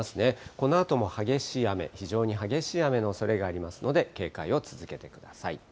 このあとも激しい雨、非常に激しい雨のおそれがありますので、警戒を続けてください。